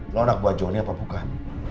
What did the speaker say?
lo anak buat jonny apa bukan